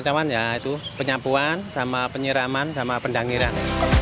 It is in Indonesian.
perawatan tamannya ya itu penyapuan sama penyiraman sama pendangiran